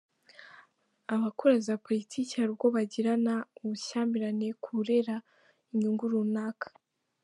Abakora za politiki hari ubwo bagirana ubushyamirane ku burera inyungu runaka.